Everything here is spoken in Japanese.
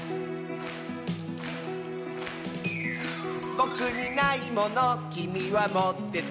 「ぼくにないものきみはもってて」